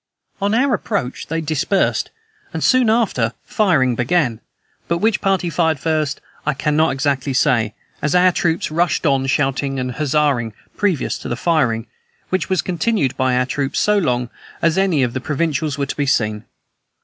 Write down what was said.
On our approach, they dispersed, and soon after firing began, but which party fired first I can not exactly say, as our troops rushed on shouting and huzzaing previous to the firing, which was continued by our troops so long as any of the provincials were to be seen.